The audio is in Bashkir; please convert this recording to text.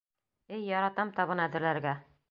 Эй, яратам табын әҙерләргә!